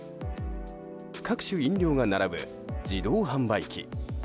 各種飲料が並ぶ自動車販売機。